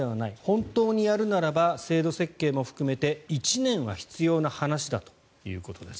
本当にやるならば制度設計も含めて１年は必要な話だということです